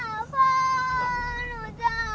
หนูจะหาพ่อหนูจะหาแม่